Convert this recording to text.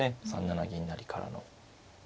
３七銀成からの。